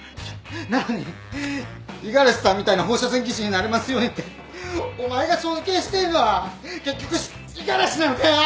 なのに「五十嵐さんみたいな放射線技師になれますように」って。お前が尊敬してるのは結局五十嵐なのかよ！